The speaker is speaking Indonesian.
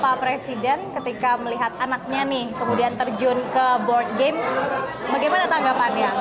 pak presiden ketika melihat anaknya nih kemudian terjun ke board game bagaimana tanggapannya